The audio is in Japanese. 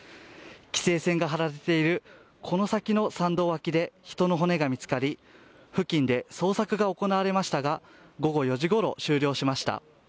規制線が張られているこの先の山道脇で人の骨が見つかり付近で捜索が行われましたが午後４時ごろ終了しました。